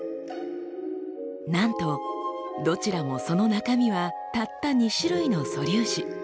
なんとどちらもその中身はたった２種類の素粒子。